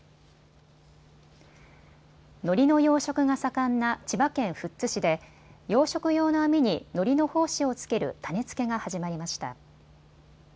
のりの養殖が盛んな千葉県富津市で養殖用の網に、のりの胞子を付ける種付けが始まりました。